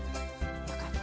よかった。